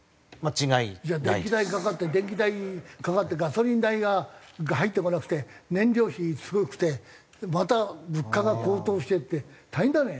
じゃあ電気代かかって電気代かかってガソリン代が入ってこなくて燃料費すごくてまた物価が高騰してって大変だね。